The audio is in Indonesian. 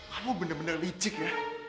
kamu bener bener licik ya